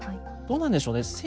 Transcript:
どうなんでしょうね。